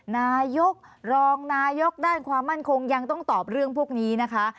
นายกรองนายกด้านความมั่นคงยังต้องตอบเรื่องพวกนี้นะคะ